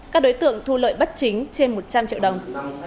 các đối tượng thu lợi bất chính trên một trăm linh triệu đồng